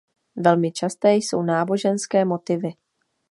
Velmi časté jsou náboženské motivy.